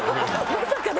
まさかの！